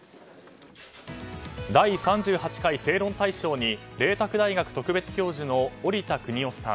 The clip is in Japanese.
第３８回正論大賞に麗澤大学特別教授の織田邦男さん